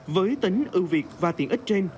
với tính ưu việt và tiện ích trên